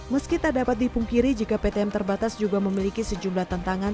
meski tak dapat dipungkiri jika ptm terbatas juga memiliki sejumlah tantangan